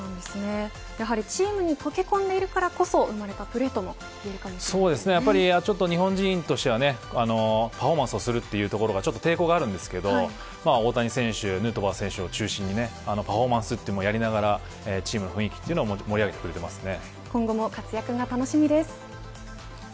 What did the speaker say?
チームに溶け込んでいるからこそ生まれたプレー日本人としてはパフォーマンスをするというところに抵抗がありますが大谷選手、ヌートバー選手を中心にパフォーマンスもしながらチームの雰囲気を今後も活躍が楽しみです。